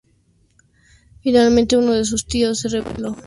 Finalmente, uno de sus tíos se rebeló y lo asesinó.